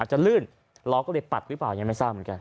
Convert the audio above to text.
จะลื่นล้อก็เลยปัดหรือเปล่ายังไม่ทราบเหมือนกัน